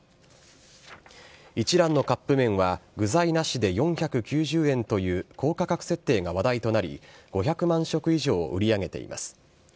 一蘭のカップ麺は、具材なしで４９０円という高価格設定が話題となり、５００万食以上を売り上げています。